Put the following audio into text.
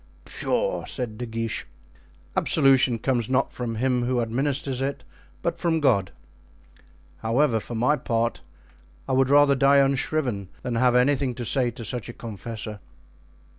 "Pshaw!" said De Guiche. "Absolution comes not from him who administers it, but from God. However, for my part, I would rather die unshriven than have anything to say to such a confessor.